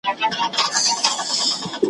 سمدستي یې سوه تېره چاړه تر غاړه `